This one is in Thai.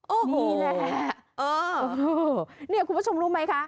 โอ้โหนี่แหละโอ้โหนี่คุณผู้ชมรู้ไหมคะ